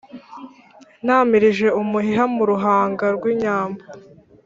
Ntamilije umuheha mu ruhanga rw’inyambo.